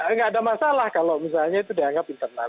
nggak ada masalah kalau misalnya itu dianggap internal